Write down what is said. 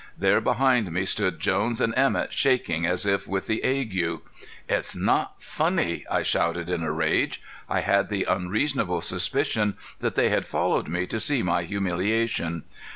There behind me stood Jones and Emett shaking as if with the ague. "It's not funny!" I shouted in a rage. I had the unreasonable suspicion that they had followed me to see my humiliation.